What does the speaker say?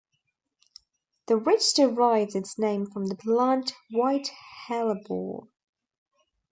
The ridge derives its name from the plant white hellebore.